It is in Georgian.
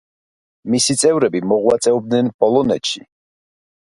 მისი წევრები მოღვაწეობდნენ პოლონეთში.